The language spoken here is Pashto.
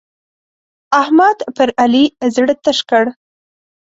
احمد پر علي زړه تش کړ.